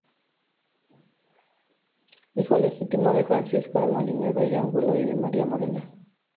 Hijo legítimo de Francisco de Mollinedo y Angulo y de María Morena.